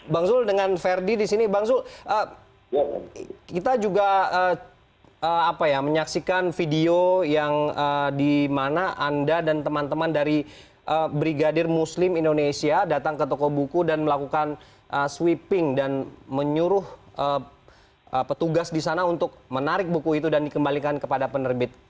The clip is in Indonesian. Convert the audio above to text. bang zulkifli dengan ferdi di sini bang zulkifli kita juga apa ya menyaksikan video yang di mana anda dan teman teman dari brigadir muslim indonesia datang ke toko buku dan melakukan sweeping dan menyuruh petugas di sana untuk menarik buku itu dan dikembalikan kepada penerbit